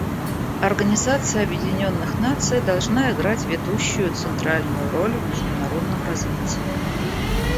Организация Объединенных Наций должна играть ведущую и центральную роль в международном развитии.